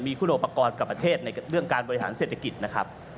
มีคุณอุปกรณ์กับประเทศในเรื่องการบริหารเศรษฐกิจนะครับ